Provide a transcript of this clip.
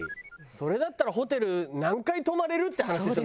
それだったらホテル何回泊まれる？って話でしょ